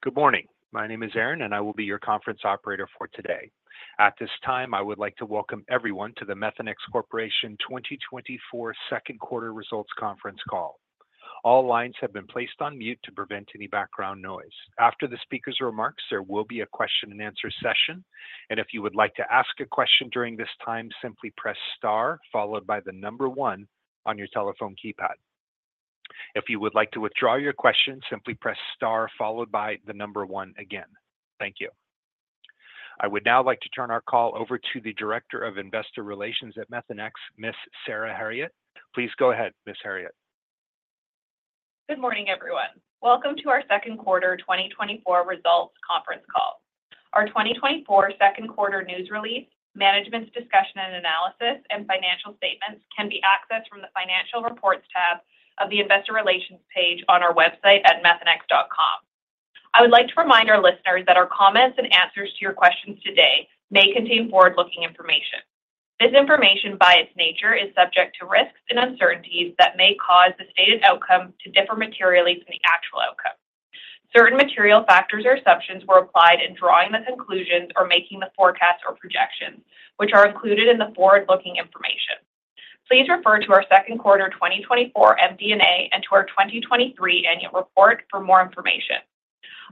Good morning. My name is Aaron, and I will be your conference operator for today. At this time, I would like to welcome everyone to the Methanex Corporation 2024 second quarter results conference call. All lines have been placed on mute to prevent any background noise. After the speaker's remarks, there will be a question-and-answer session, and if you would like to ask a question during this time, simply press star followed by the number one on your telephone keypad. If you would like to withdraw your question, simply press star followed by the number one again. Thank you. I would now like to turn our call over to the Director of Investor Relations at Methanex, Ms. Sarah Herriott. Please go ahead, Ms. Herriott. Good morning, everyone. Welcome to our second quarter 2024 results conference call. Our 2024 second quarter news release, management's discussion and analysis, and financial statements can be accessed from the financial reports tab of the investor relations page on our website at methanex.com. I would like to remind our listeners that our comments and answers to your questions today may contain forward-looking information. This information, by its nature, is subject to risks and uncertainties that may cause the stated outcome to differ materially from the actual outcome. Certain material factors or assumptions were applied in drawing the conclusions or making the forecasts or projections, which are included in the forward-looking information. Please refer to our second quarter 2024 MD&A and to our 2023 annual report for more information.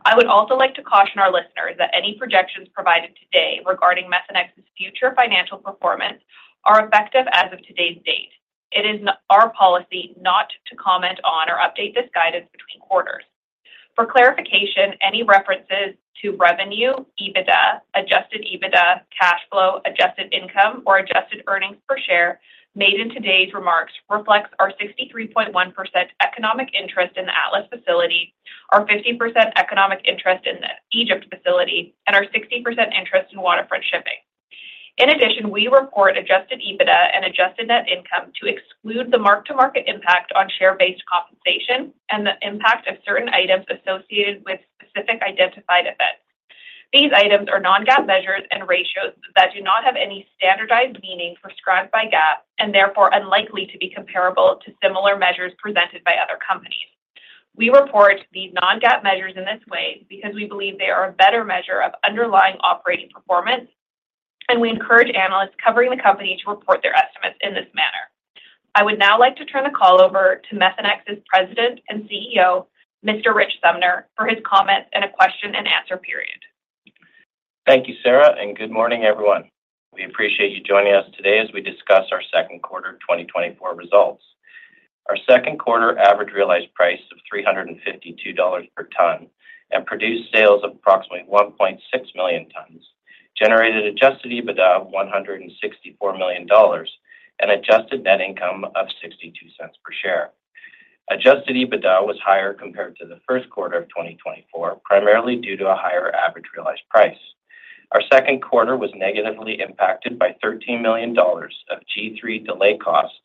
I would also like to caution our listeners that any projections provided today regarding Methanex's future financial performance are effective as of today's date. It is our policy not to comment on or update this guidance between quarters. For clarification, any references to revenue, EBITDA, adjusted EBITDA, cash flow, adjusted income, or adjusted earnings per share made in today's remarks reflects our 63.1% economic interest in the Atlas facility, our 50% economic interest in the Egypt facility, and our 60% interest in Waterfront Shipping. In addition, we report adjusted EBITDA and adjusted net income to exclude the mark-to-market impact on share-based compensation and the impact of certain items associated with specific identified events. These items are non-GAAP measures and ratios that do not have any standardized meaning prescribed by GAAP and therefore unlikely to be comparable to similar measures presented by other companies. We report these non-GAAP measures in this way because we believe they are a better measure of underlying operating performance, and we encourage analysts covering the company to report their estimates in this manner. I would now like to turn the call over to Methanex's President and CEO, Mr. Rich Sumner, for his comments and a question-and-answer period. Thank you, Sarah, and good morning, everyone. We appreciate you joining us today as we discuss our second quarter 2024 results. Our second quarter average realized price of $352 per ton and produced sales of approximately 1.6 million tons generated adjusted EBITDA of $164 million and adjusted net income of $0.62 per share. Adjusted EBITDA was higher compared to the first quarter of 2024, primarily due to a higher average realized price. Our second quarter was negatively impacted by $13 million of G3 delay costs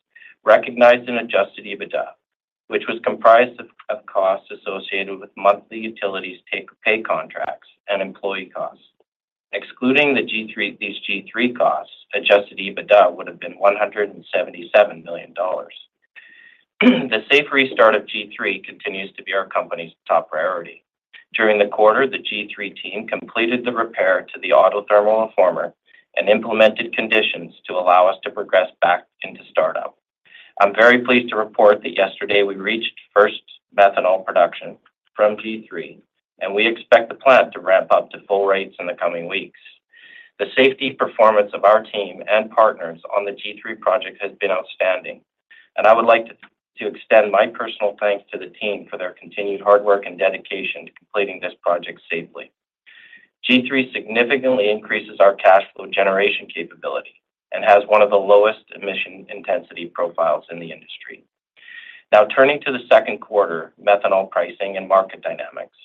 recognized in adjusted EBITDA, which was comprised of costs associated with monthly utilities take-or-pay contracts and employee costs. Excluding these G3 costs, adjusted EBITDA would have been $177 million. The safe restart of G3 continues to be our company's top priority. During the quarter, the G3 team completed the repair to the auto-thermal reformer and implemented conditions to allow us to progress back into startup. I'm very pleased to report that yesterday we reached first methanol production from G3, and we expect the plant to ramp up to full rates in the coming weeks. The safety performance of our team and partners on the G3 project has been outstanding, and I would like to extend my personal thanks to the team for their continued hard work and dedication to completing this project safely. G3 significantly increases our cash flow generation capability and has one of the lowest emission intensity profiles in the industry. Now, turning to the second quarter methanol pricing and market dynamics,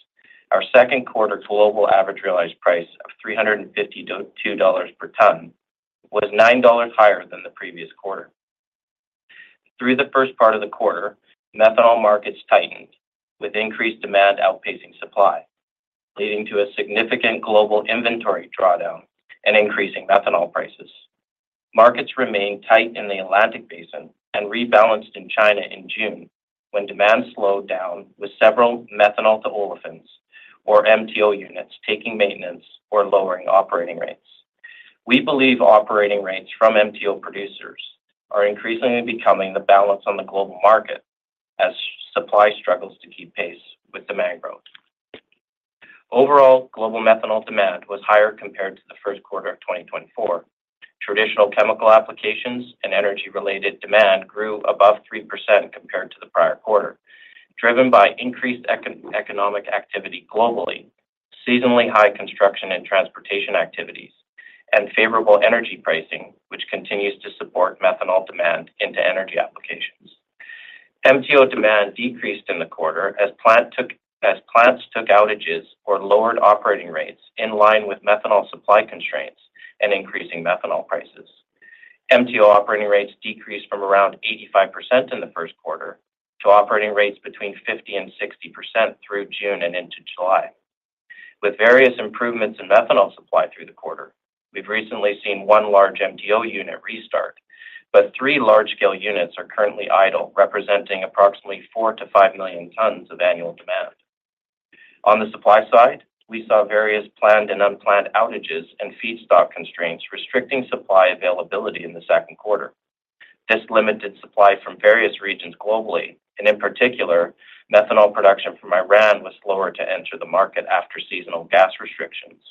our second quarter global average realized price of $352 per ton was $9 higher than the previous quarter. Through the first part of the quarter, methanol markets tightened with increased demand outpacing supply, leading to a significant global inventory drawdown and increasing methanol prices. Markets remained tight in the Atlantic Basin and rebalanced in China in June when demand slowed down with several methanol to olefins, or MTO units, taking maintenance or lowering operating rates. We believe operating rates from MTO producers are increasingly becoming the balance on the global market as supply struggles to keep pace with demand growth. Overall, global methanol demand was higher compared to the first quarter of 2024. Traditional chemical applications and energy-related demand grew above 3% compared to the prior quarter, driven by increased economic activity globally, seasonally high construction and transportation activities, and favorable energy pricing, which continues to support methanol demand into energy applications. MTO demand decreased in the quarter as plants took outages or lowered operating rates in line with methanol supply constraints and increasing methanol prices. MTO operating rates decreased from around 85% in the first quarter to operating rates between 50%-60% through June and into July. With various improvements in methanol supply through the quarter, we've recently seen one large MTO unit restart, but three large-scale units are currently idle, representing approximately 4-5 million tons of annual demand. On the supply side, we saw various planned and unplanned outages and feedstock constraints restricting supply availability in the second quarter. This limited supply from various regions globally, and in particular, methanol production from Iran was slower to enter the market after seasonal gas restrictions.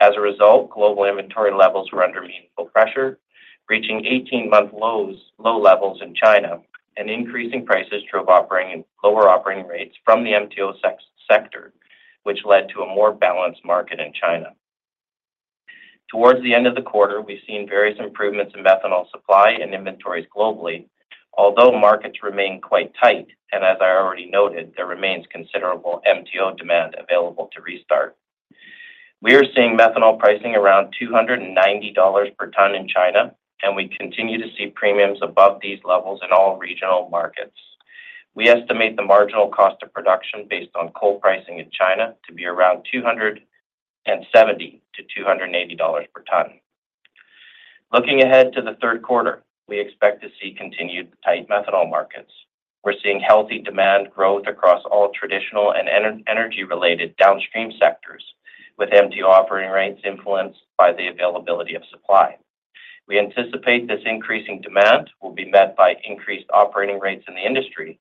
As a result, global inventory levels were under meaningful pressure, reaching 18-month low levels in China, and increasing prices drove lower operating rates from the MTO sector, which led to a more balanced market in China. Towards the end of the quarter, we've seen various improvements in methanol supply and inventories globally, although markets remain quite tight, and as I already noted, there remains considerable MTO demand available to restart. We are seeing methanol pricing around $290 per ton in China, and we continue to see premiums above these levels in all regional markets. We estimate the marginal cost of production based on coal pricing in China to be around $270-$280 per ton. Looking ahead to the third quarter, we expect to see continued tight methanol markets. We're seeing healthy demand growth across all traditional and energy-related downstream sectors, with MTO operating rates influenced by the availability of supply. We anticipate this increasing demand will be met by increased operating rates in the industry,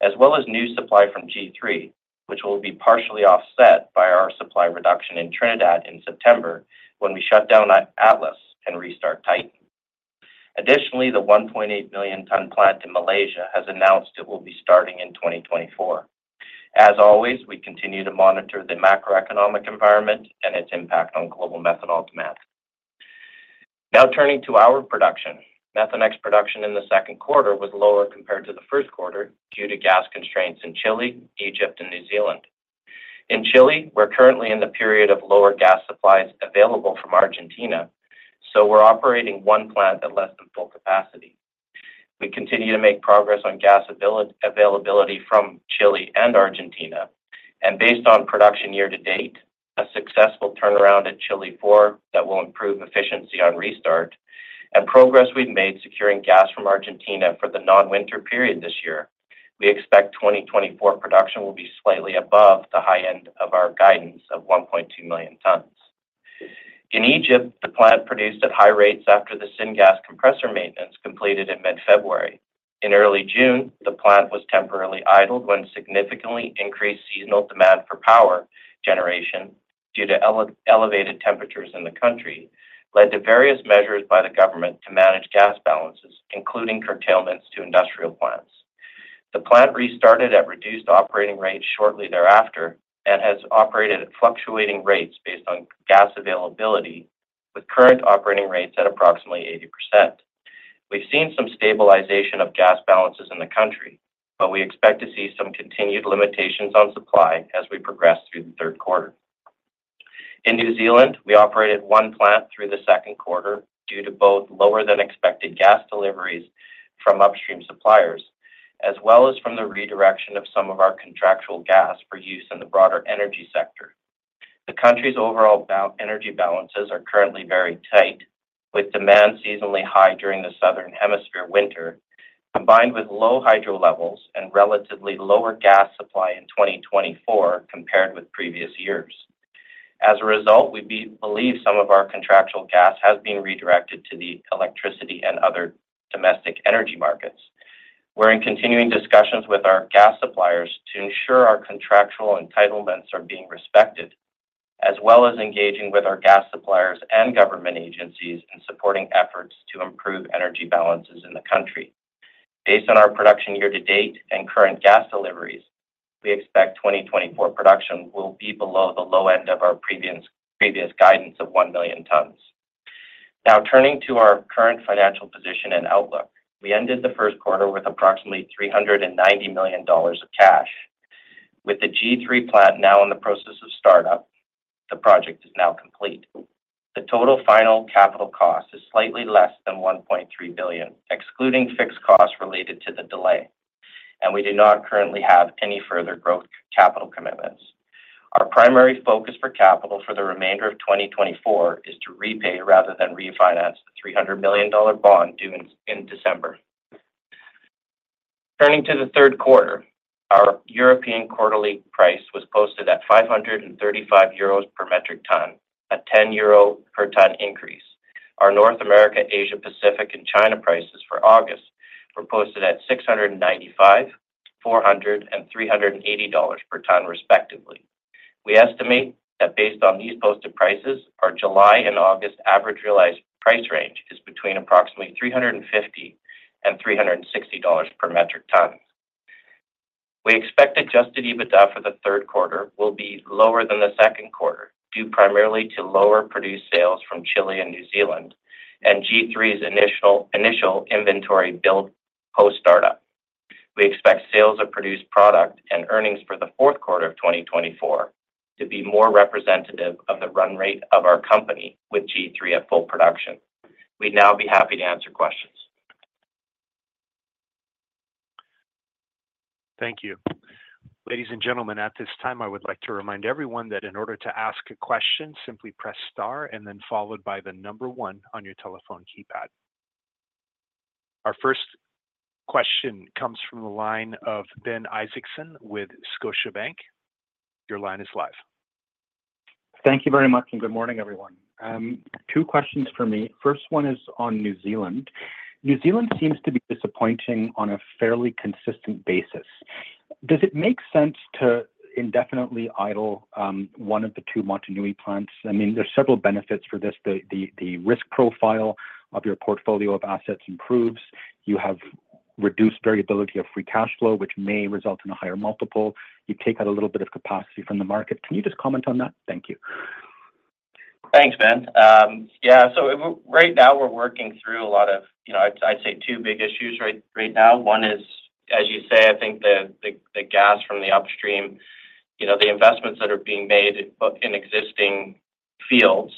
as well as new supply from G3, which will be partially offset by our supply reduction in Trinidad in September when we shut down Atlas and restart Titan. Additionally, the 1.8 million ton plant in Malaysia has announced it will be starting in 2024. As always, we continue to monitor the macroeconomic environment and its impact on global methanol demand. Now turning to our production, Methanex production in the second quarter was lower compared to the first quarter due to gas constraints in Chile, Egypt, and New Zealand. In Chile, we're currently in the period of lower gas supplies available from Argentina, so we're operating one plant at less than full capacity. We continue to make progress on gas availability from Chile and Argentina, and based on production year to date, a successful turnaround at Chile IV that will improve efficiency on restart, and progress we've made securing gas from Argentina for the non-winter period this year, we expect 2024 production will be slightly above the high end of our guidance of 1.2 million tons. In Egypt, the plant produced at high rates after the syngas compressor maintenance completed in mid-February. In early June, the plant was temporarily idled when significantly increased seasonal demand for power generation due to elevated temperatures in the country led to various measures by the government to manage gas balances, including curtailments to industrial plants. The plant restarted at reduced operating rates shortly thereafter and has operated at fluctuating rates based on gas availability, with current operating rates at approximately 80%. We've seen some stabilization of gas balances in the country, but we expect to see some continued limitations on supply as we progress through the third quarter. In New Zealand, we operated one plant through the second quarter due to both lower-than-expected gas deliveries from upstream suppliers as well as from the redirection of some of our contractual gas for use in the broader energy sector. The country's overall energy balances are currently very tight, with demand seasonally high during the southern hemisphere winter, combined with low hydro levels and relatively lower gas supply in 2024 compared with previous years. As a result, we believe some of our contractual gas has been redirected to the electricity and other domestic energy markets. We're in continuing discussions with our gas suppliers to ensure our contractual entitlements are being respected, as well as engaging with our gas suppliers and government agencies in supporting efforts to improve energy balances in the country. Based on our production year to date and current gas deliveries, we expect 2024 production will be below the low end of our previous guidance of 1,000,000 tons. Now turning to our current financial position and outlook, we ended the first quarter with approximately $390 million of cash. With the G3 plant now in the process of startup, the project is now complete. The total final capital cost is slightly less than $1.3 billion, excluding fixed costs related to the delay, and we do not currently have any further growth capital commitments. Our primary focus for capital for the remainder of 2024 is to repay rather than refinance the $300 million bond due in December. Turning to the third quarter, our European quarterly price was posted at €535 per metric ton, a 10 euro per ton increase. Our North America, Asia-Pacific, and China prices for August were posted at $695, $400, and $380 per ton, respectively. We estimate that based on these posted prices, our July and August average realized price range is between approximately $350 and $360 per metric ton. We expect adjusted EBITDA for the third quarter will be lower than the second quarter due primarily to lower produced sales from Chile and New Zealand and G3's initial inventory build post-startup. We expect sales of produced product and earnings for the fourth quarter of 2024 to be more representative of the run rate of our company with G3 at full production. We'd now be happy to answer questions. Thank you. Ladies and gentlemen, at this time, I would like to remind everyone that in order to ask a question, simply press Star and then followed by the number one on your telephone keypad. Our first question comes from the line of Ben Isaacson with Scotiabank. Your line is live. Thank you very much and good morning, everyone. Two questions for me. First one is on New Zealand. New Zealand seems to be disappointing on a fairly consistent basis. Does it make sense to indefinitely idle one of the two Motunui plants? I mean, there's several benefits for this. The risk profile of your portfolio of assets improves. You have reduced variability of free cash flow, which may result in a higher multiple. You take out a little bit of capacity from the market. Can you just comment on that? Thank you. Thanks, Ben. Yeah, so right now we're working through a lot of, I'd say, two big issues right now. One is, as you say, I think the gas from the upstream, the investments that are being made in existing fields,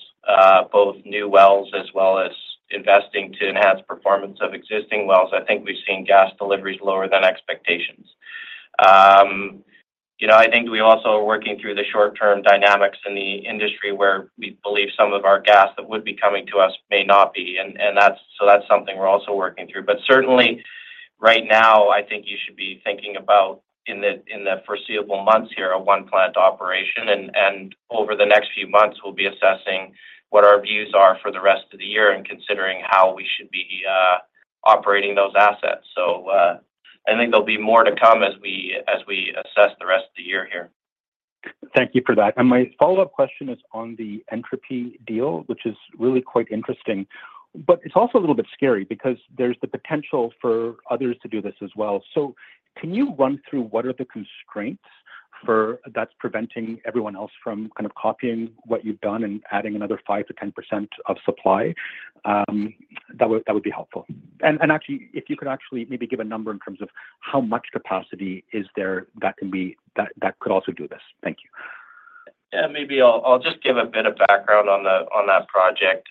both new wells as well as investing to enhance performance of existing wells, I think we've seen gas deliveries lower than expectations. I think we also are working through the short-term dynamics in the industry where we believe some of our gas that would be coming to us may not be. And so that's something we're also working through. But certainly, right now, I think you should be thinking about, in the foreseeable months here, a one-plant operation. And over the next few months, we'll be assessing what our views are for the rest of the year and considering how we should be operating those assets. I think there'll be more to come as we assess the rest of the year here. Thank you for that. My follow-up question is on the Entropy deal, which is really quite interesting, but it's also a little bit scary because there's the potential for others to do this as well. So can you run through what are the constraints that's preventing everyone else from kind of copying what you've done and adding another 5%-10% of supply? That would be helpful. Actually, if you could actually maybe give a number in terms of how much capacity is there that could also do this. Thank you. Yeah, maybe I'll just give a bit of background on that project.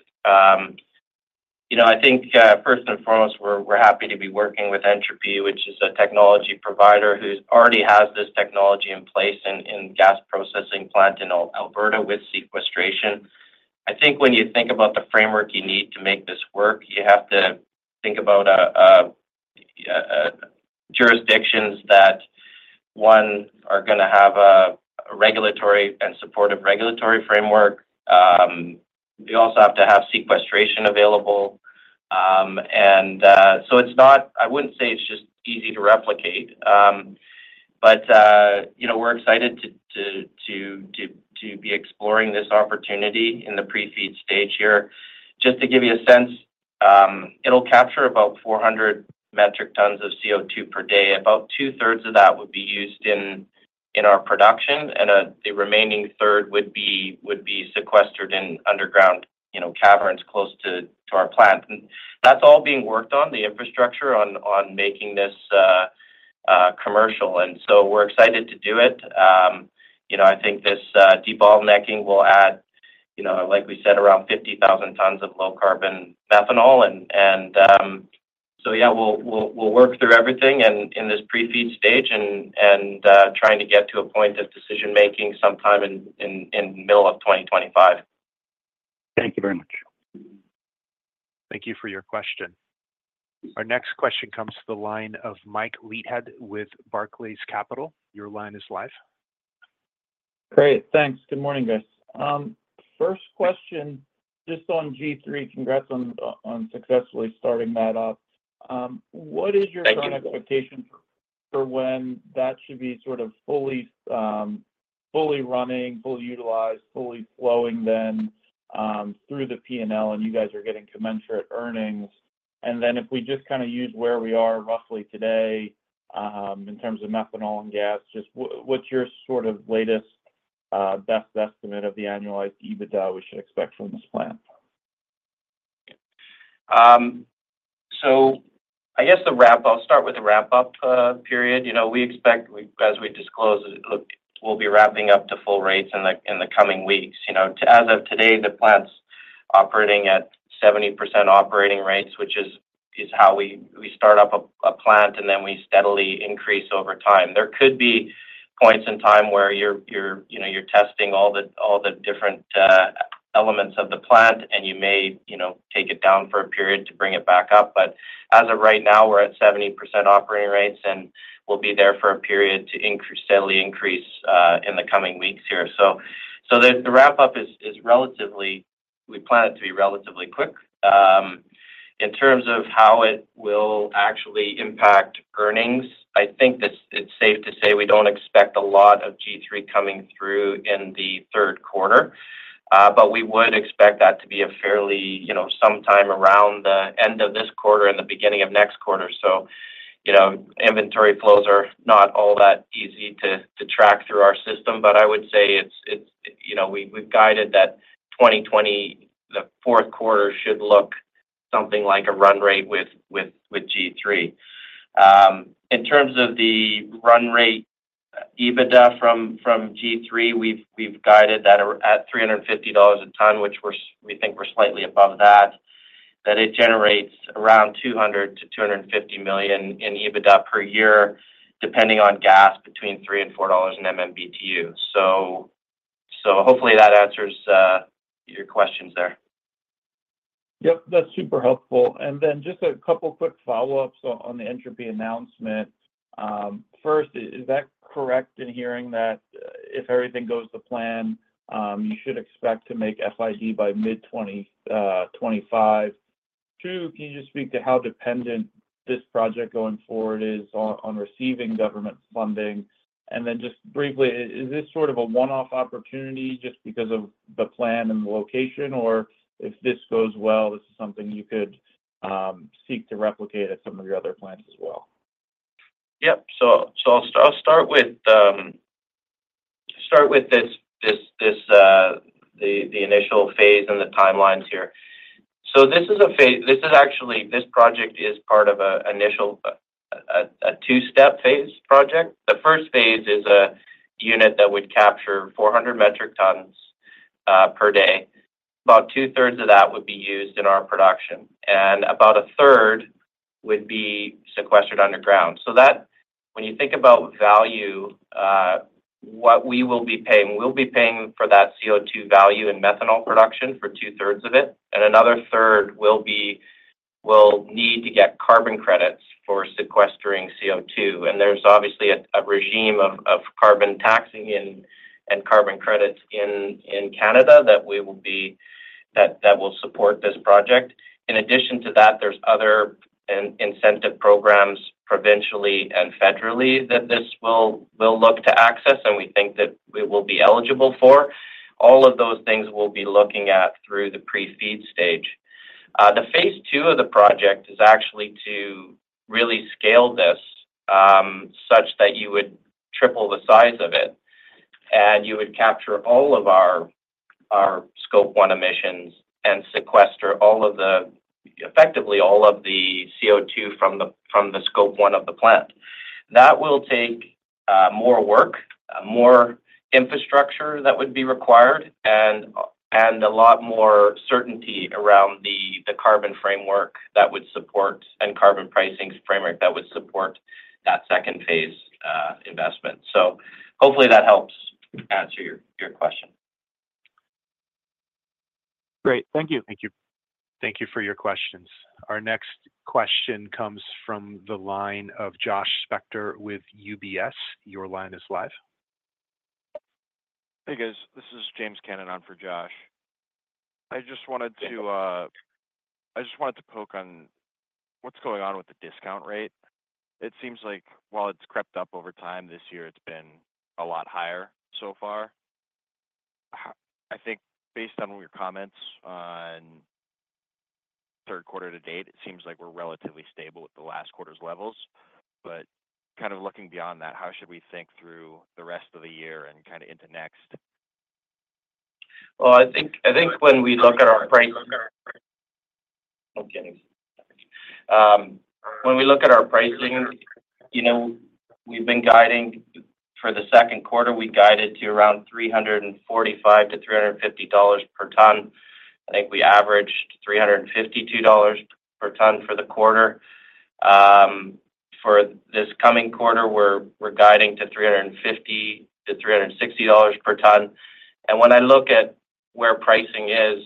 I think first and foremost, we're happy to be working with Entropy, which is a technology provider who already has this technology in place in gas processing plant in Alberta with sequestration. I think when you think about the framework you need to make this work, you have to think about jurisdictions that, one, are going to have a regulatory and supportive regulatory framework. You also have to have sequestration available. And so it's not, I wouldn't say it's just easy to replicate, but we're excited to be exploring this opportunity in the Pre-FEED stage here. Just to give you a sense, it'll capture about 400 metric tons of CO2 per day. About two-thirds of that would be used in our production, and the remaining third would be sequestered in underground caverns close to our plant. That's all being worked on, the infrastructure on making this commercial. We're excited to do it. I think this debottlenecking will add, like we said, around 50,000 tons of low-carbon methanol. Yeah, we'll work through everything in this Pre-FEED stage and trying to get to a point of decision-making sometime in the middle of 2025. Thank you very much. Thank you for your question. Our next question comes to the line of Michael Leithead with Barclays. Your line is live. Great. Thanks. Good morning, guys. First question, just on G3, congrats on successfully starting that up. What is your current expectation for when that should be sort of fully running, fully utilized, fully flowing then through the P&L, and you guys are getting commensurate earnings? And then if we just kind of use where we are roughly today in terms of methanol and gas, just what's your sort of latest best estimate of the annualized EBITDA we should expect from this plant? I guess I'll start with the wrap-up period. We expect, as we disclose, we'll be wrapping up to full rates in the coming weeks. As of today, the plant's operating at 70% operating rates, which is how we start up a plant, and then we steadily increase over time. There could be points in time where you're testing all the different elements of the plant, and you may take it down for a period to bring it back up. But as of right now, we're at 70% operating rates, and we'll be there for a period to steadily increase in the coming weeks here. The wrap-up is relatively, we plan it to be relatively quick. In terms of how it will actually impact earnings, I think it's safe to say we don't expect a lot of G3 coming through in the third quarter, but we would expect that to be a fairly, sometime around the end of this quarter and the beginning of next quarter. So inventory flows are not all that easy to track through our system, but I would say we've guided that 2020, the fourth quarter should look something like a run rate with G3. In terms of the run rate EBITDA from G3, we've guided that at $350 a ton, which we think we're slightly above that, that it generates around $200 million-$250 million in EBITDA per year, depending on gas between $3-$4 in MMBTU. So hopefully that answers your questions there. Yep, that's super helpful. And then just a couple of quick follow-ups on the Entropy announcement. First, is that correct, in hearing that if everything goes to plan, you should expect to make FID by mid-2025? Two, can you just speak to how dependent this project going forward is on receiving government funding? And then just briefly, is this sort of a one-off opportunity just because of the plant and the location, or if this goes well, this is something you could seek to replicate at some of your other plants as well? Yep. So I'll start with the initial phase and the timelines here. So this is actually, this project is part of a two-step phase project. The first phase is a unit that would capture 400 metric tons per day. About two-thirds of that would be used in our production, and about a third would be sequestered underground. So when you think about value, what we will be paying, we'll be paying for that CO2 value in methanol production for two-thirds of it, and another third will need to get carbon credits for sequestering CO2. And there's obviously a regime of carbon taxing and carbon credits in Canada that will support this project. In addition to that, there's other incentive programs provincially and federally that this will look to access, and we think that we will be eligible for. All of those things we'll be looking at through the Pre-FEED stage. The phase II of the project is actually to really scale this such that you would triple the size of it, and you would capture all of our Scope 1 emissions and sequester effectively all of the CO2 from the Scope 1 of the plant. That will take more work, more infrastructure that would be required, and a lot more certainty around the carbon framework that would support and carbon pricing framework that would support that second phase investment. So hopefully that helps answer your question. Great. Thank you. Thank you. Thank you for your questions. Our next question comes from the line of Josh Spector with UBS. Your line is live. Hey, guys. This is James Cannon on for Josh. I just wanted to—I just wanted to poke on what's going on with the discount rate. It seems like while it's crept up over time this year, it's been a lot higher so far. I think based on your comments on third quarter to date, it seems like we're relatively stable with the last quarter's levels. But kind of looking beyond that, how should we think through the rest of the year and kind of into next? Well, I think when we look at our pricing. Okay, thanks. When we look at our pricing, we've been guiding for the second quarter, we guided to around $345-$350 per ton. I think we averaged $352 per ton for the quarter. For this coming quarter, we're guiding to $350-$360 per ton. And when I look at where pricing is,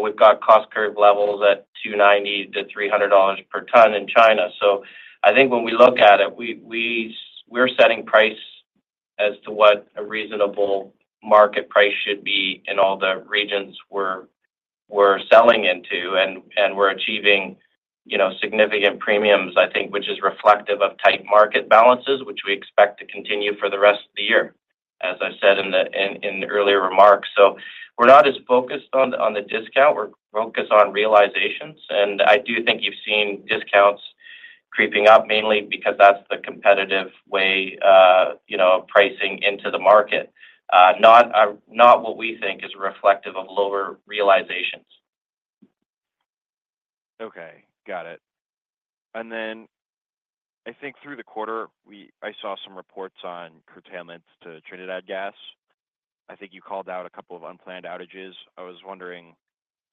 we've got cost curve levels at $290-$300 per ton in China. So I think when we look at it, we're setting price as to what a reasonable market price should be in all the regions we're selling into and we're achieving significant premiums, I think, which is reflective of tight market balances, which we expect to continue for the rest of the year, as I said in the earlier remarks. So we're not as focused on the discount. We're focused on realizations. I do think you've seen discounts creeping up mainly because that's the competitive way of pricing into the market, not what we think is reflective of lower realizations. Okay. Got it. And then I think through the quarter, I saw some reports on curtailments to Trinidad gas. I think you called out a couple of unplanned outages. I was wondering,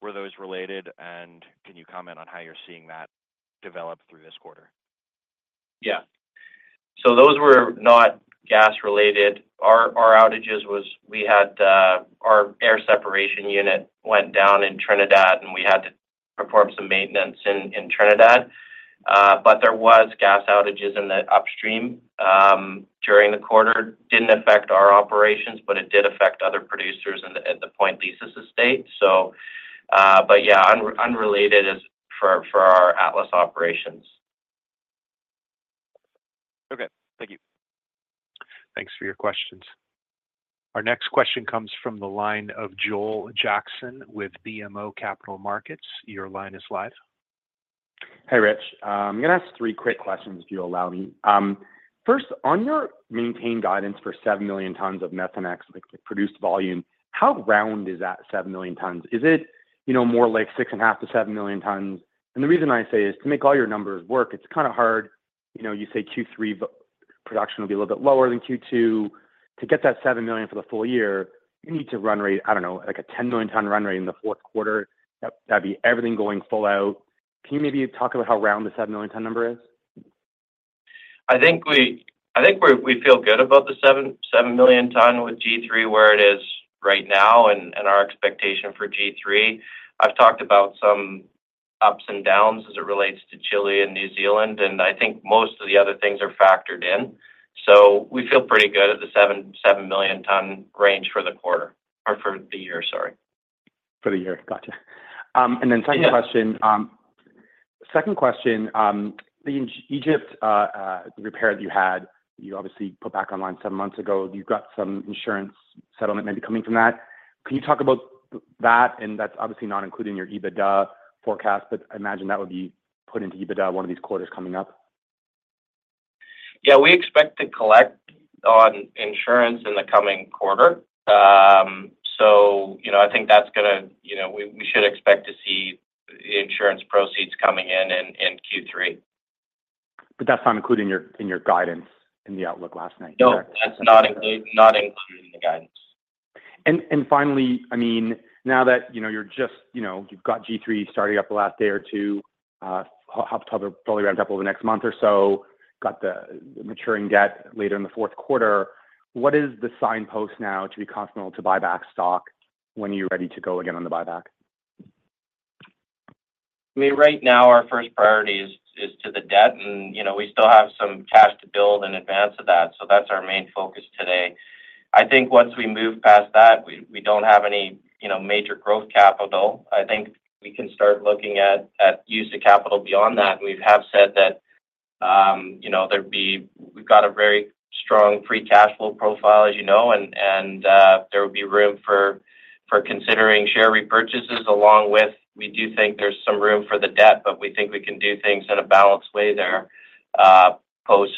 were those related? And can you comment on how you're seeing that develop through this quarter? Yeah. So those were not gas-related. Our outages was we had our air separation unit went down in Trinidad, and we had to perform some maintenance in Trinidad. But there were gas outages in the upstream during the quarter. Didn't affect our operations, but it did affect other producers at the Point Lisas estate. But yeah, unrelated for our Atlas operations. Okay. Thank you. Thanks for your questions. Our next question comes from the line of Joel Jackson with BMO Capital Markets. Your line is live. Hey, Rich. I'm going to ask three quick questions, if you'll allow me. First, on your maintained guidance for 7 million tons of Methanex produced volume, how round is that 7 million tons? Is it more like 6.5-7 million tons? And the reason I say is to make all your numbers work, it's kind of hard. You say Q3 production will be a little bit lower than Q2. To get that 7 million for the full year, you need to run rate, I don't know, like a 10 million ton run rate in the fourth quarter. That'd be everything going full out. Can you maybe talk about how round the 7 million ton number is? I think we feel good about the 7 million ton with G3 where it is right now and our expectation for G3. I've talked about some ups and downs as it relates to Chile and New Zealand, and I think most of the other things are factored in. So we feel pretty good at the 7 million ton range for the quarter or for the year, sorry. For the year. Gotcha. And then second question. Second question, the Egypt repair that you had, you obviously put back online seven months ago. You've got some insurance settlement maybe coming from that. And that's obviously not including your EBITDA forecast, but I imagine that would be put into EBITDA one of these quarters coming up. Yeah. We expect to collect on insurance in the coming quarter. So I think that's going to, we should expect to see insurance proceeds coming in in Q3. But that's not included in your guidance in the outlook last night. No, that's not included in the guidance. Finally, I mean, now that you're just, you've got G3 starting up the last day or two, probably wrapped up over the next month or so, got the maturing debt later in the fourth quarter. What is the signpost now to be confident to buy back stock when you're ready to go again on the buyback? I mean, right now, our first priority is to the debt, and we still have some cash to build in advance of that. So that's our main focus today. I think once we move past that, we don't have any major growth capital. I think we can start looking at use of capital beyond that. We have said that there'd be—we've got a very strong free cash flow profile, as you know, and there would be room for considering share repurchases along with—we do think there's some room for the debt, but we think we can do things in a balanced way there post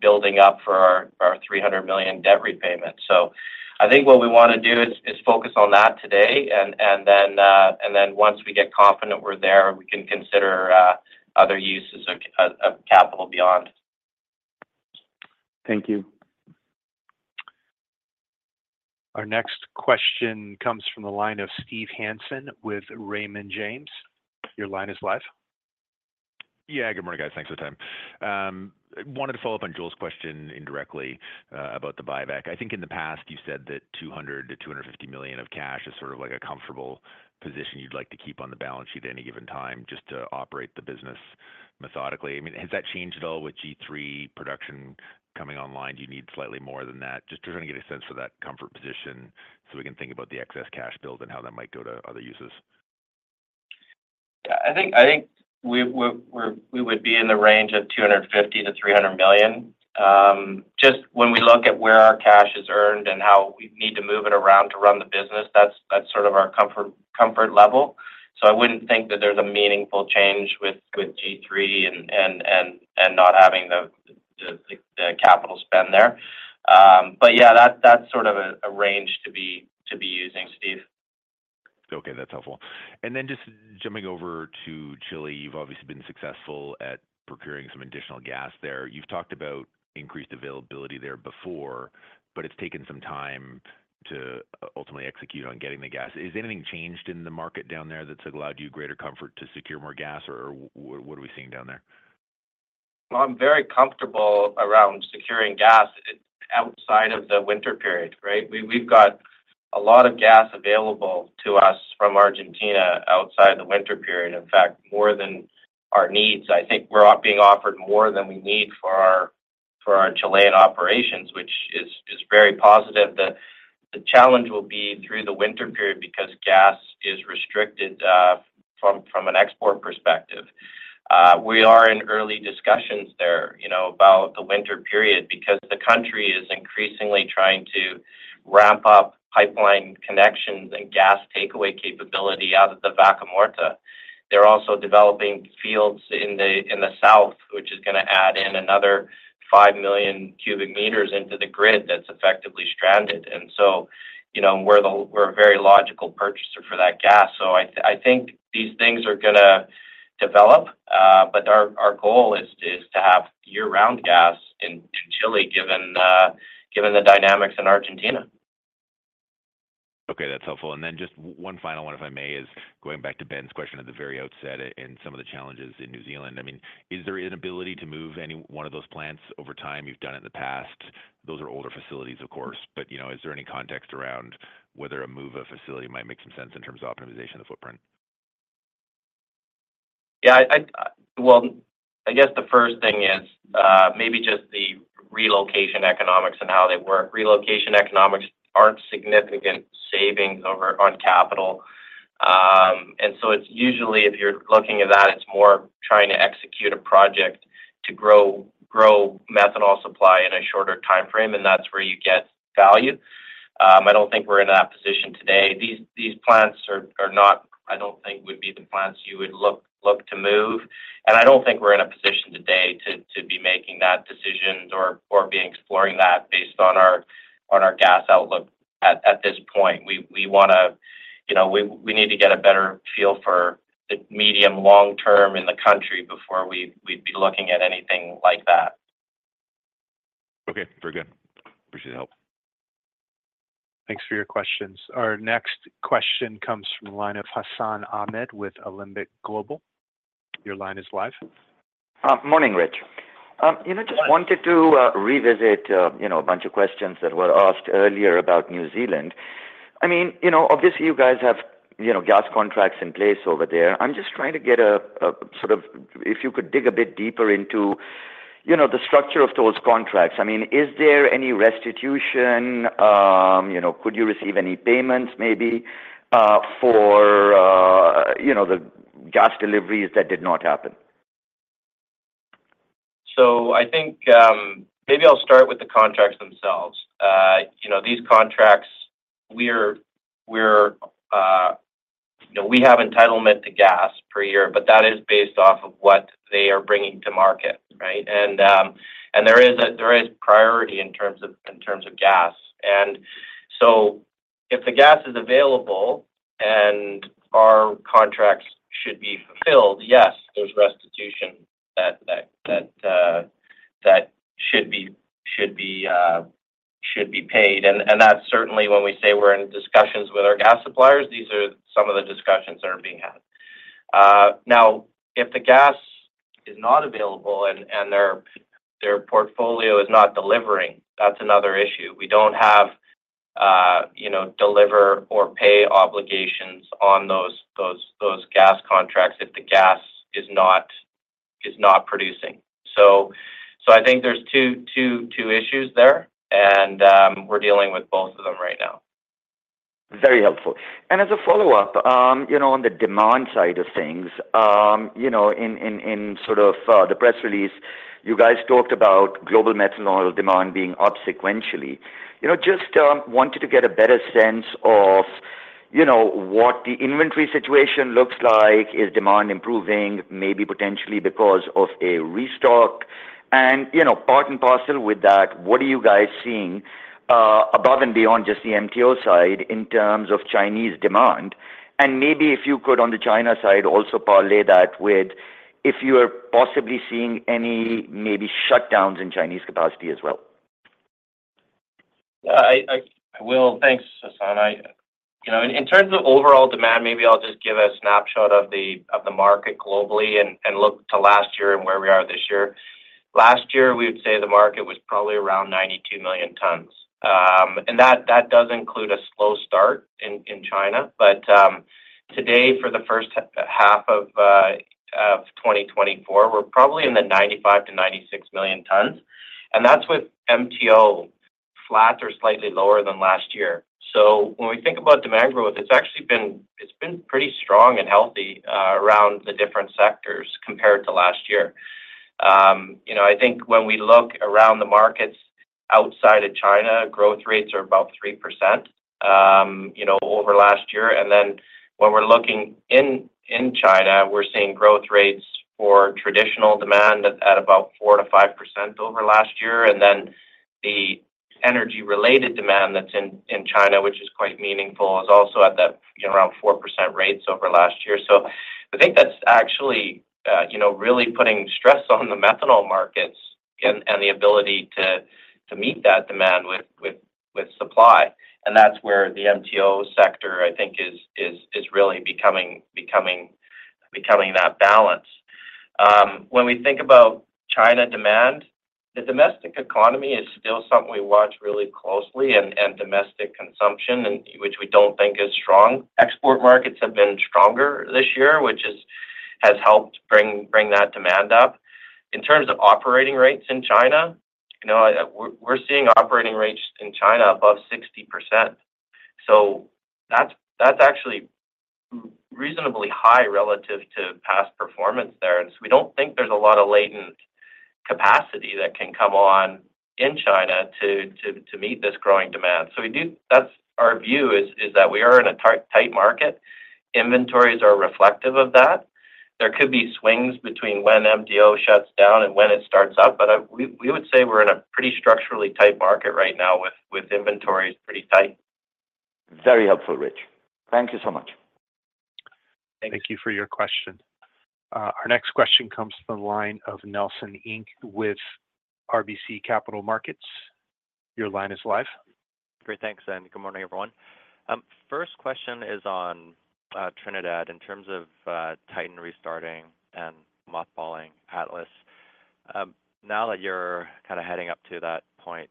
building up for our $300 million debt repayment. So I think what we want to do is focus on that today, and then once we get confident we're there, we can consider other uses of capital beyond. Thank you. Our next question comes from the line of Steve Hansen with Raymond James. Your line is live. Yeah. Good morning, guys. Thanks for the time. I wanted to follow up on Joel's question indirectly about the buyback. I think in the past, you said that $200 million-$250 million of cash is sort of like a comfortable position you'd like to keep on the balance sheet at any given time just to operate the business methodically. I mean, has that changed at all with G3 production coming online? Do you need slightly more than that? Just trying to get a sense for that comfort position so we can think about the excess cash build and how that might go to other uses. I think we would be in the range of $250 million-$300 million. Just when we look at where our cash is earned and how we need to move it around to run the business, that's sort of our comfort level. So I wouldn't think that there's a meaningful change with G3 and not having the capital spend there. But yeah, that's sort of a range to be using, Steve. Okay. That's helpful. And then just jumping over to Chile, you've obviously been successful at procuring some additional gas there. You've talked about increased availability there before, but it's taken some time to ultimately execute on getting the gas. Is anything changed in the market down there that's allowed you greater comfort to secure more gas, or what are we seeing down there? Well, I'm very comfortable around securing gas outside of the winter period, right? We've got a lot of gas available to us from Argentina outside the winter period, in fact, more than our needs. I think we're being offered more than we need for our Chilean operations, which is very positive. The challenge will be through the winter period because gas is restricted from an export perspective. We are in early discussions there about the winter period because the country is increasingly trying to ramp up pipeline connections and gas takeaway capability out of the Vaca Muerta. They're also developing fields in the south, which is going to add in another 5 million cubic meters into the grid that's effectively stranded. And so we're a very logical purchaser for that gas. I think these things are going to develop, but our goal is to have year-round gas in Chile given the dynamics in Argentina. Okay. That's helpful. And then just one final one, if I may, is going back to Ben's question at the very outset and some of the challenges in New Zealand. I mean, is there an ability to move any one of those plants over time? You've done it in the past. Those are older facilities, of course. But is there any context around whether a move of facility might make some sense in terms of optimization of the footprint? Yeah. Well, I guess the first thing is maybe just the relocation economics and how they work. Relocation economics aren't significant savings on capital. And so it's usually, if you're looking at that, it's more trying to execute a project to grow methanol supply in a shorter timeframe, and that's where you get value. I don't think we're in that position today. These plants are not, I don't think, would be the plants you would look to move. And I don't think we're in a position today to be making that decision or be exploring that based on our gas outlook at this point. We want to—we need to get a better feel for the medium-long term in the country before we'd be looking at anything like that. Okay. Very good. Appreciate the help. Thanks for your questions. Our next question comes from the line of Hassan Ahmed with Alembic Global. Your line is live. Morning, Rich. Just wanted to revisit a bunch of questions that were asked earlier about New Zealand. I mean, obviously, you guys have gas contracts in place over there. I'm just trying to get a sort of—if you could dig a bit deeper into the structure of those contracts. I mean, is there any restitution? Could you receive any payments maybe for the gas deliveries that did not happen? So I think maybe I'll start with the contracts themselves. These contracts, we have entitlement to gas per year, but that is based off of what they are bringing to market, right? And there is priority in terms of gas. And so if the gas is available and our contracts should be fulfilled, yes, there's restitution that should be paid. And that's certainly when we say we're in discussions with our gas suppliers. These are some of the discussions that are being had. Now, if the gas is not available and their portfolio is not delivering, that's another issue. We don't have deliver-or-pay obligations on those gas contracts if the gas is not producing. So I think there's two issues there, and we're dealing with both of them right now. Very helpful. As a follow-up, on the demand side of things, in sort of the press release, you guys talked about global methanol demand being up sequentially. Just wanted to get a better sense of what the inventory situation looks like. Is demand improving maybe potentially because of a restock? And part and parcel with that, what are you guys seeing above and beyond just the MTO side in terms of Chinese demand? And maybe if you could, on the China side, also parlay that with if you are possibly seeing any maybe shutdowns in Chinese capacity as well. Yeah. I will. Thanks, Hassan. In terms of overall demand, maybe I'll just give a snapshot of the market globally and look to last year and where we are this year. Last year, we would say the market was probably around 92 million tons. That does include a slow start in China. Today, for the first half of 2024, we're probably in the 95-96 million tons. That's with MTO flat or slightly lower than last year. When we think about demand growth, it's actually been pretty strong and healthy around the different sectors compared to last year. I think when we look around the markets outside of China, growth rates are about 3% over last year. Then when we're looking in China, we're seeing growth rates for traditional demand at about 4%-5% over last year. And then the energy-related demand that's in China, which is quite meaningful, is also at around 4% rates over last year. So I think that's actually really putting stress on the methanol markets and the ability to meet that demand with supply. And that's where the MTO sector, I think, is really becoming that balance. When we think about China demand, the domestic economy is still something we watch really closely and domestic consumption, which we don't think is strong. Export markets have been stronger this year, which has helped bring that demand up. In terms of operating rates in China, we're seeing operating rates in China above 60%. So that's actually reasonably high relative to past performance there. And so we don't think there's a lot of latent capacity that can come on in China to meet this growing demand. That's our view is that we are in a tight market. Inventories are reflective of that. There could be swings between when MTO shuts down and when it starts up, but we would say we're in a pretty structurally tight market right now with inventories pretty tight. Very helpful, Rich. Thank you so much. Thank you for your question. Our next question comes from the line of Nelson Ng with RBC Capital Markets. Your line is live. Great. Thanks, and good morning, everyone. First question is on Trinidad in terms of Titan restarting and mothballing Atlas. Now that you're kind of heading up to that point,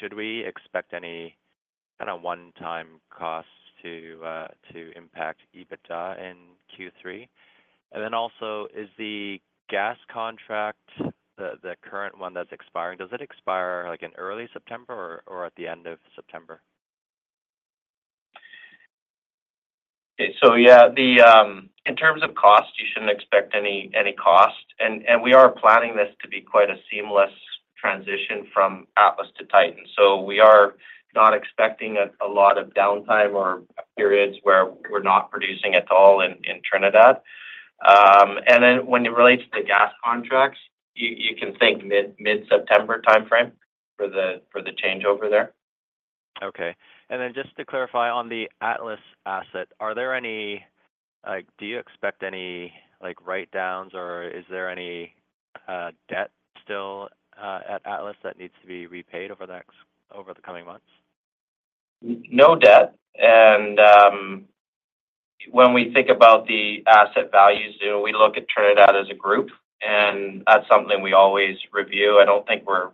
should we expect any kind of one-time costs to impact EBITDA in Q3? And then also, is the gas contract, the current one that's expiring, does it expire in early September or at the end of September? Yeah, in terms of cost, you shouldn't expect any cost. We are planning this to be quite a seamless transition from Atlas to Titan. We are not expecting a lot of downtime or periods where we're not producing at all in Trinidad. Then when it relates to the gas contracts, you can think mid-September timeframe for the changeover there. Okay. And then just to clarify on the Atlas asset, are there any, do you expect any write-downs, or is there any debt still at Atlas that needs to be repaid over the coming months? No debt. And when we think about the asset values, we look at Trinidad as a group, and that's something we always review. I don't think we're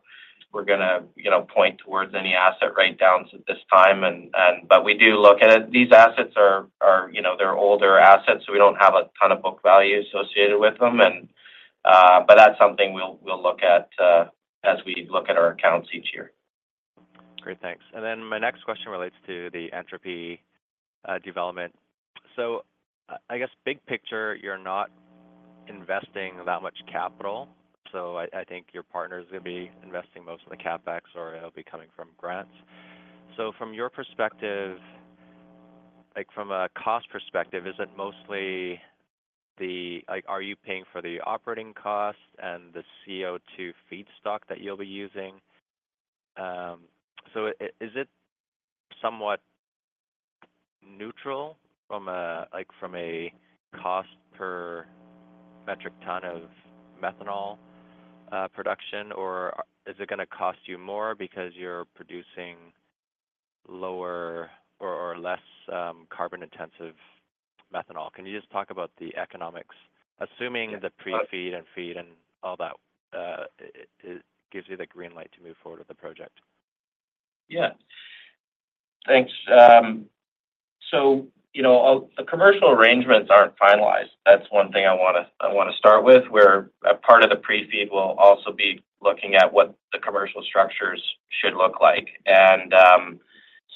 going to point towards any asset write-downs at this time, but we do look at it. These assets, they're older assets, so we don't have a ton of book value associated with them. But that's something we'll look at as we look at our accounts each year. Great. Thanks. And then my next question relates to the Entropy development. So I guess big picture, you're not investing that much capital. So I think your partner is going to be investing most of the CapEx, or it'll be coming from grants. So from your perspective, from a cost perspective, is it mostly the—are you paying for the operating cost and the CO2 feedstock that you'll be using? So is it somewhat neutral from a cost per metric ton of methanol production, or is it going to cost you more because you're producing lower or less carbon-intensive methanol? Can you just talk about the economics, assuming the pre-FEED and FEED and all that gives you the green light to move forward with the project? Yeah. Thanks. So the commercial arrangements aren't finalized. That's one thing I want to start with, where part of the pre-feed will also be looking at what the commercial structures should look like. And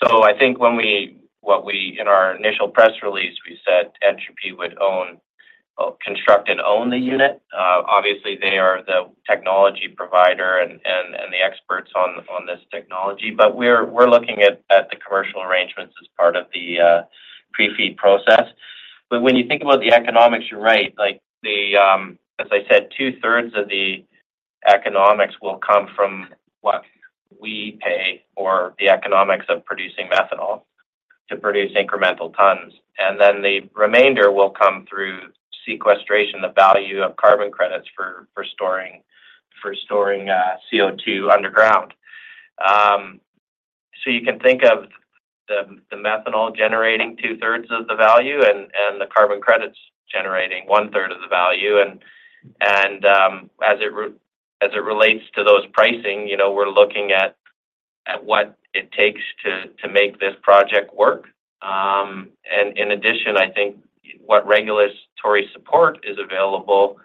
so I think when we in our initial press release, we said Entropy would own, well, construct and own the unit. Obviously, they are the technology provider and the experts on this technology, but we're looking at the commercial arrangements as part of the pre-feed process. But when you think about the economics, you're right. As I said, two-thirds of the economics will come from what we pay or the economics of producing methanol to produce incremental tons. And then the remainder will come through sequestration, the value of carbon credits for storing CO2 underground. So you can think of the methanol generating two-thirds of the value and the carbon credits generating one-third of the value. As it relates to those pricing, we're looking at what it takes to make this project work. In addition, I think what regulatory support is available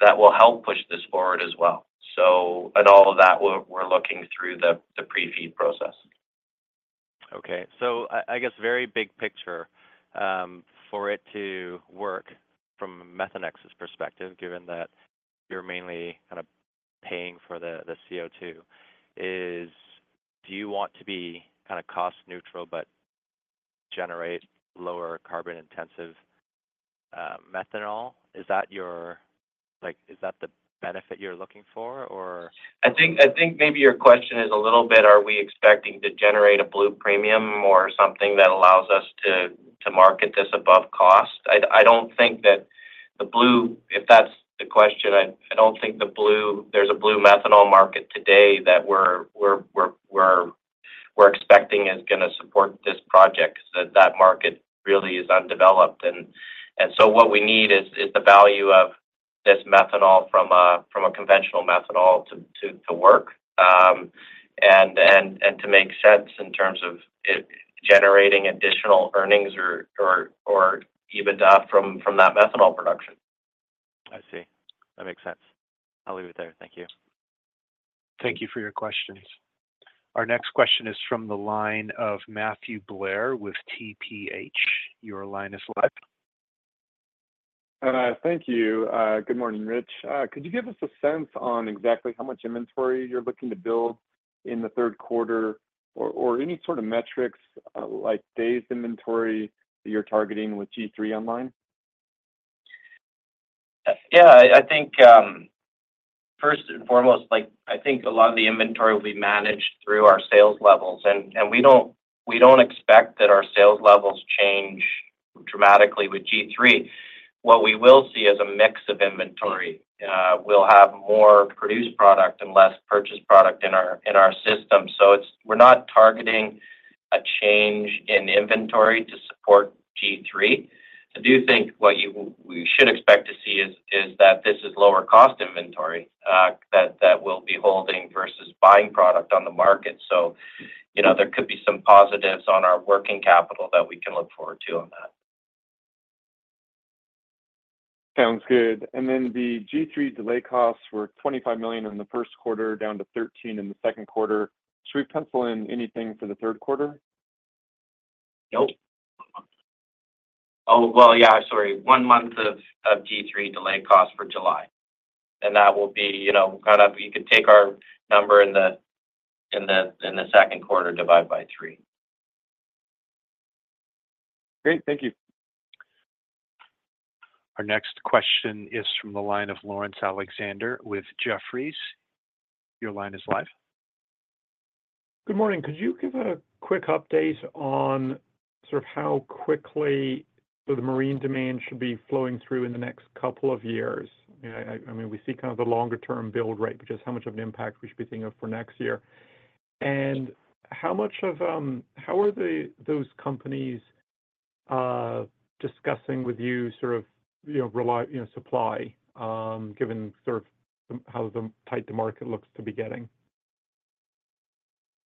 that will help push this forward as well. In all of that, we're looking through the Pre-FEED process. Okay. So I guess very big picture for it to work from Methanex's perspective, given that you're mainly kind of paying for the CO2, is do you want to be kind of cost-neutral but generate lower carbon-intensive methanol? Is that the benefit you're looking for, or? I think maybe your question is a little bit, are we expecting to generate a Blue premium or something that allows us to market this above cost? I don't think that the Blue—if that's the question, I don't think there's a blue methanol market today that we're expecting is going to support this project because that market really is undeveloped. And so what we need is the value of this methanol from a conventional methanol to work and to make sense in terms of generating additional earnings or EBITDA from that methanol production. I see. That makes sense. I'll leave it there. Thank you. Thank you for your questions. Our next question is from the line of Matthew Blair with TPH. Your line is live. Thank you. Good morning, Rich. Could you give us a sense on exactly how much inventory you're looking to build in the third quarter or any sort of metrics like day's inventory that you're targeting with G3 online? Yeah. I think first and foremost, I think a lot of the inventory will be managed through our sales levels. And we don't expect that our sales levels change dramatically with G3. What we will see is a mix of inventory. We'll have more produced product and less purchased product in our system. So we're not targeting a change in inventory to support G3. I do think what we should expect to see is that this is lower-cost inventory that we'll be holding versus buying product on the market. So there could be some positives on our working capital that we can look forward to on that. Sounds good. And then the G3 delay costs were $25 million in the first quarter, down to $13 million in the second quarter. Should we pencil in anything for the third quarter? Nope. Oh, well, yeah, sorry. One month of G3 delay cost for July. And that will be kind of, you can take our number in the second quarter, divide by three. Great. Thank you. Our next question is from the line of Laurence Alexander with Jefferies. Your line is live. Good morning. Could you give a quick update on sort of how quickly the marine demand should be flowing through in the next couple of years? I mean, we see kind of the longer-term build, right, which is how much of an impact we should be thinking of for next year. How much of how are those companies discussing with you sort of supply, given sort of how tight the market looks to be getting?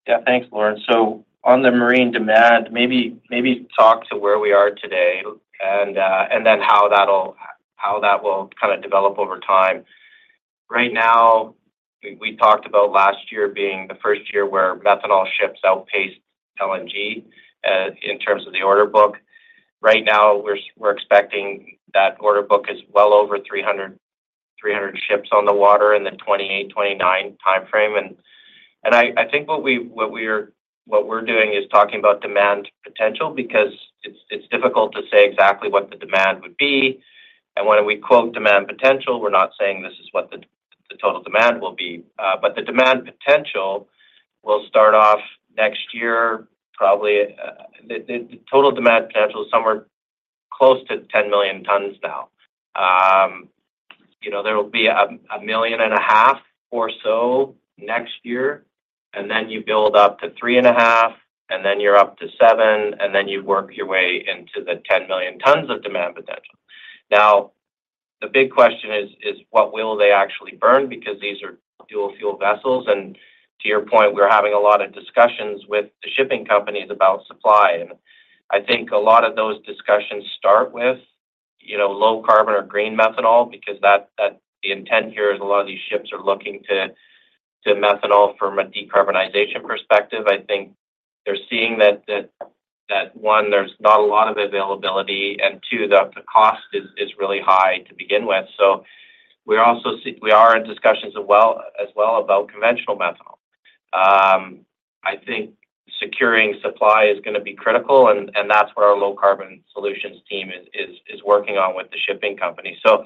Yeah. Thanks, Laurence. So on the marine demand, maybe talk to where we are today and then how that will kind of develop over time. Right now, we talked about last year being the first year where methanol ships outpaced LNG in terms of the order book. Right now, we're expecting that order book is well over 300 ships on the water in the 2028, 2029 timeframe. And I think what we're doing is talking about demand potential because it's difficult to say exactly what the demand would be. And when we quote demand potential, we're not saying this is what the total demand will be. But the demand potential will start off next year, probably the total demand potential is somewhere close to 10 million tons now. There will be 1.5 million tons or so next year. Then you build up to 3.5, and then you're up to 7, and then you work your way into the 10 million tons of demand potential. Now, the big question is, what will they actually burn? Because these are dual-fuel vessels. To your point, we're having a lot of discussions with the shipping companies about supply. I think a lot of those discussions start with low-carbon or green methanol because the intent here is a lot of these ships are looking to methanol from a decarbonization perspective. I think they're seeing that, one, there's not a lot of availability, and two, the cost is really high to begin with. So we are in discussions as well about conventional methanol. I think securing supply is going to be critical, and that's what our low-carbon solutions team is working on with the shipping company. So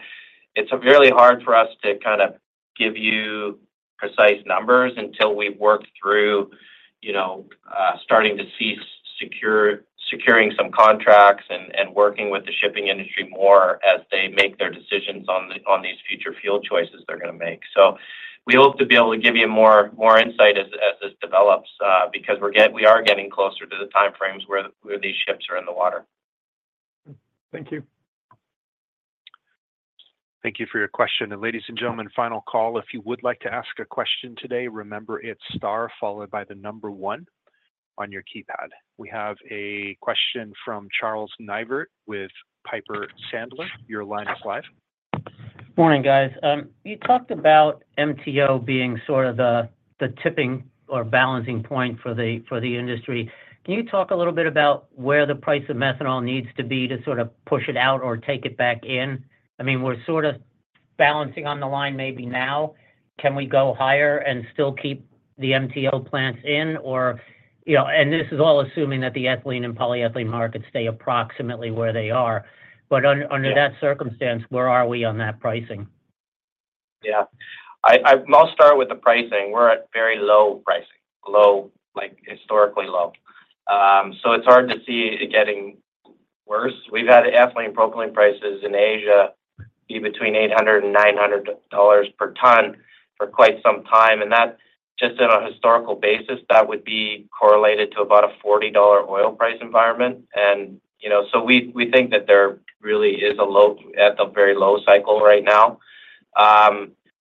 it's really hard for us to kind of give you precise numbers until we've worked through starting to see securing some contracts and working with the shipping industry more as they make their decisions on these future fuel choices they're going to make. So we hope to be able to give you more insight as this develops because we are getting closer to the timeframes where these ships are in the water. Thank you. Thank you for your question. Ladies and gentlemen, final call. If you would like to ask a question today, remember it's star followed by the number one on your keypad. We have a question from Charles Neivert with Piper Sandler. Your line is live. Morning, guys. You talked about MTO being sort of the tipping or balancing point for the industry. Can you talk a little bit about where the price of methanol needs to be to sort of push it out or take it back in? I mean, we're sort of balancing on the line maybe now. Can we go higher and still keep the MTO plants in? And this is all assuming that the ethylene and polyethylene markets stay approximately where they are. But under that circumstance, where are we on that pricing? Yeah. I'll start with the pricing. We're at very low pricing, historically low. So it's hard to see it getting worse. We've had ethylene and propylene prices in Asia be between $800 and $900 per ton for quite some time. Just on a historical basis, that would be correlated to about a $40 oil price environment. So we think that there really is a low at the very low cycle right now.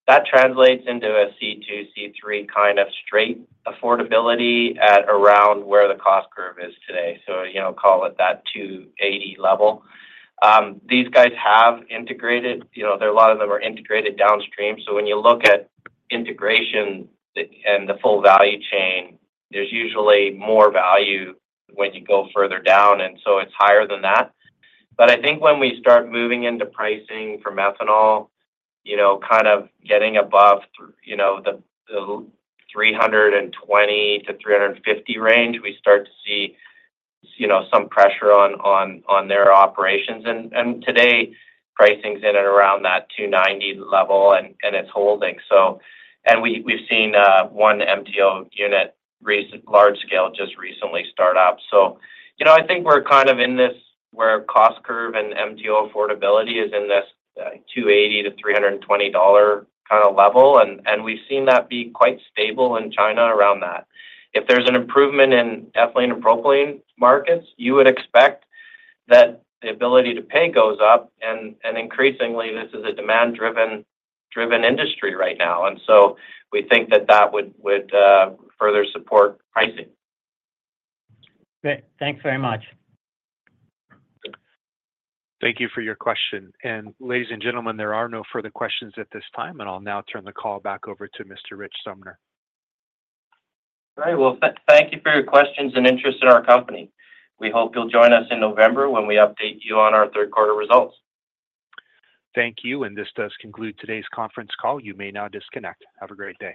That translates into a C2, C3 kind of straight affordability at around where the cost curve is today. Call it that $280 level. These guys have integrated. A lot of them are integrated downstream. So when you look at integration and the full value chain, there's usually more value when you go further down. So it's higher than that. But I think when we start moving into pricing for methanol, kind of getting above the $320-$350 range, we start to see some pressure on their operations. And today, pricing's in and around that $290 level, and it's holding. And we've seen one MTO unit large scale just recently start up. So I think we're kind of in this where cost curve and MTO affordability is in this $280-$320 kind of level. And we've seen that be quite stable in China around that. If there's an improvement in ethylene and propylene markets, you would expect that the ability to pay goes up. And increasingly, this is a demand-driven industry right now. And so we think that that would further support pricing. Thanks very much. Thank you for your question. Ladies and gentlemen, there are no further questions at this time. I'll now turn the call back over to Mr. Rich Sumner. All right. Well, thank you for your questions and interest in our company. We hope you'll join us in November when we update you on our third-quarter results. Thank you. This does conclude today's conference call. You may now disconnect. Have a great day.